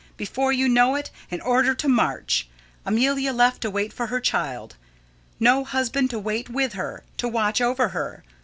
Before you know it, an order to march. Amelia left to wait for her child. No husband to wait with her, to watch over her.